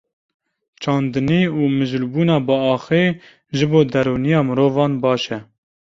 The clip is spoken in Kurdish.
Çandinî û mijûlbûna bi axê ji bo derûniya mirovan baş e.